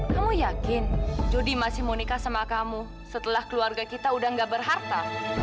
kamu yakin judi masih mau nikah sama kamu setelah keluarga kita udah gak berharta